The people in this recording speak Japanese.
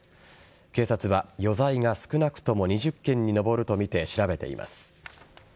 警察は、余罪が少なくとも２０件に上るとみて調べています。